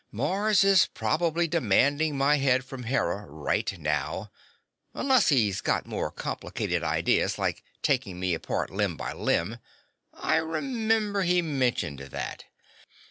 Mars is probably demanding my head from Hera right now. Unless he's got more complicated ideas like taking me apart limb by limb. I remember he mentioned that."